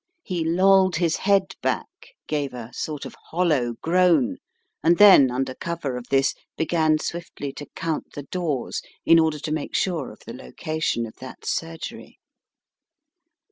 He lolled his head back, gave a sort of hollow groan, and then under cover of this began swiftly to count the doors in order to make sure of the location of that surgery.